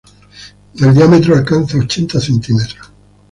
El diámetro alcanza ochenta centímetros.